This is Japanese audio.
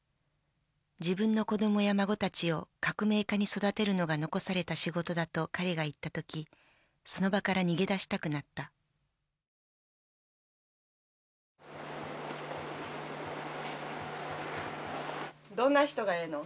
自分の子供や孫たちを革命家に育てるのが残された仕事だと彼が言った時その場から逃げ出したくなったどんな人がええの？